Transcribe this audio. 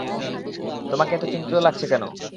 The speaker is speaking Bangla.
তোমাকে এত চিন্তিত লাগছে কেন?